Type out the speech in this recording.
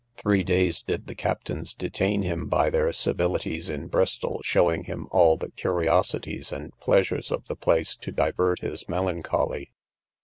Three days did the captains detain him by their civilities in Bristol, showing him all the curiosities and pleasures of the place to divert his melancholy.